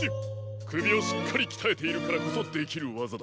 くびをしっかりきたえているからこそできるわざだ。